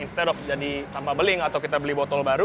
dan setelah kita beli sampah beling atau kita beli botol baru